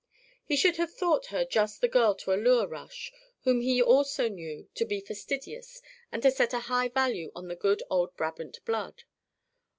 He should have thought her just the girl to allure Rush, whom he also knew to be fastidious and to set a high value on the good old Brabant blood.